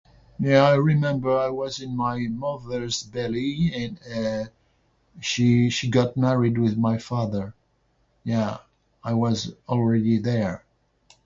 Yeah, I remember. I was in my mother's deli and, uh, she she got married with my father. Yeah, I was already there.